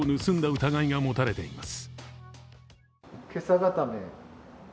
疑いが持たれています。